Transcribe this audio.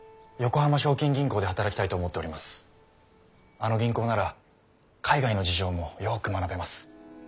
あの銀行なら海外の事情もよく学べます。